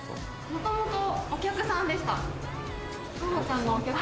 もともとお客さんでした。